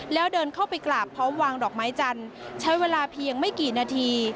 แล้วเดินเข้าไปกราบพร้อมวางดอกไม้จันทร์ใช้เวลาเพียงไม่กี่นาที